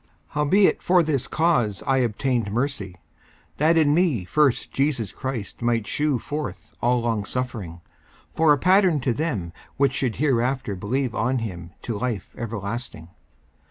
54:001:016 Howbeit for this cause I obtained mercy, that in me first Jesus Christ might shew forth all longsuffering, for a pattern to them which should hereafter believe on him to life everlasting.